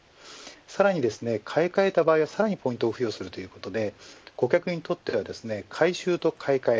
さらに買い替えた場合はさらにポイントを付与するということで顧客にとっては回収と買い替え